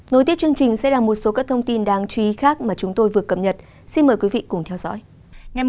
nối tiếp chương trình sẽ là một số các thông tin đáng chú ý khác mà chúng tôi vừa cập nhật xin mời quý vị cùng theo dõi